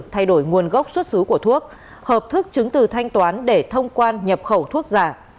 thay đổi nguồn gốc xuất xứ của thuốc hợp thức chứng từ thanh toán để thông quan nhập khẩu thuốc giả